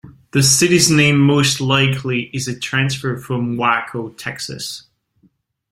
The city's name most likely is a transfer from Waco, Texas.